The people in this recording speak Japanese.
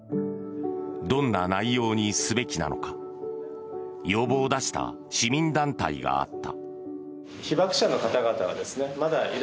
どんな内容にすべきなのか要望を出した市民団体があった。